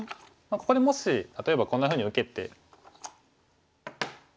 ここでもし例えばこんなふうに受けて。